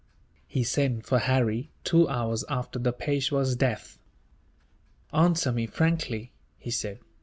He sent for Harry, two hours after the Peishwa's death. "Answer me frankly," he said.